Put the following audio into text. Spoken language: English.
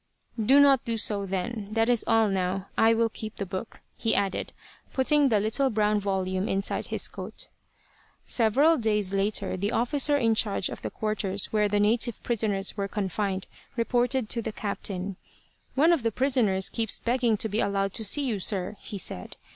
"Do not do so, then. That is all, now. I will keep the book," he added, putting the little brown volume inside his coat. Several days later the officer in charge of the quarters where the native prisoners were confined reported to the captain: "One of the prisoners keeps begging to be allowed to see you, sir," he said.